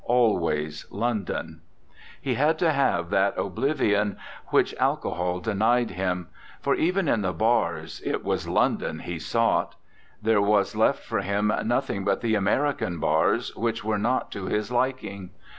... always London! He had to have that oblivion which 75 RECOLLECTIONS OF OSCAR WILDE alcohol denied him. For even in the bars it was London he sought. There was left for him nothing but the Ameri can bars, which were not to his liking.